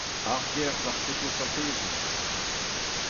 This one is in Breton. Argerzh ar fotosintezenn.